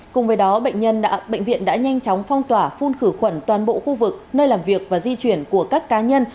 cùng với đó bệnh nhân bệnh viện đã nhanh chóng phong tỏa phun khử khuẩn toàn bộ khu vực nơi làm việc và di chuyển của các cá nhân